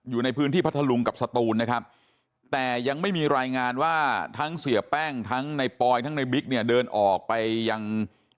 อยู่ในพื้นที่พัทธลุงกับสตูนนะครับแต่ยังไม่มีรายงานว่าทั้งเสียแป้งทั้งในปอยทั้งในบิ๊กเนี่ยเดินออกไปยัง